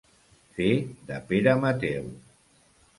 Fer de Pere Mateu.